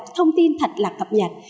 thông tin thật là cập nhật